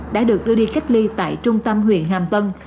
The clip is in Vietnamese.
đã được đưa đi cách ly tại trung tâm huyện hàm tân